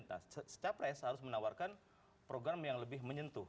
nah capres harus menawarkan program yang lebih menyentuh